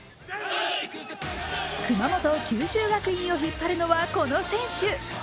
熊本・九州学院を引っ張るのはこの選手。